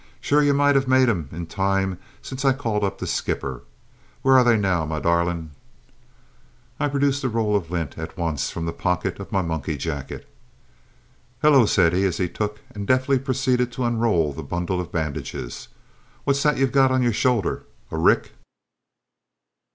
"Sure ye moight have made 'em in the toime since I called up to the skipper. Where are they now, me darlint?" I produced the roll of lint at once from the pocket of my monkey jacket. "Hullo!" said he as he took and deftly proceeded to unroll the bundle of bandages, "what's that you've got on your shoulders a rick?"